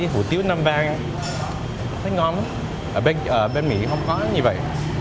hủ tiếu nam vang thấy ngóng ở bên mỹ không có như vậy